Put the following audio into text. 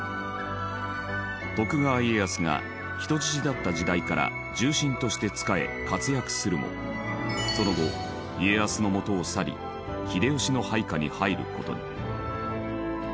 徳川家康が人質だった時代から重臣として仕え活躍するもその後家康のもとを去り秀吉の配下に入る事に。